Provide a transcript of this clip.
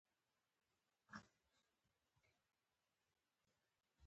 د بېلګې په توګه د یهودیانو د اوسېدنې لپاره قوانین وضع شول.